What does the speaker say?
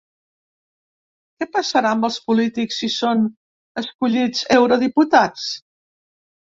Què passarà amb els polítics si són escollits eurodiputats?